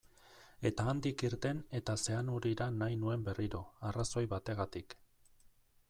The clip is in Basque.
Eta handik irten eta Zeanurira nahi nuen berriro, arrazoi bategatik.